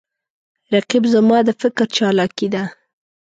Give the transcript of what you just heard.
رقیب زما د فکر چالاکي ده